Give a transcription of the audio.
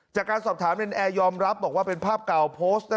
จากการสอบถามเนรนแอร์ยอมรับบอกว่าเป็นภาพเก่าโพสต์